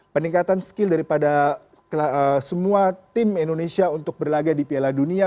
peningkatan skill daripada semua tim indonesia untuk berlaga di piala dunia